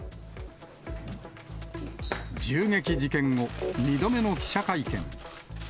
銃撃事件後、２度目の記者会見。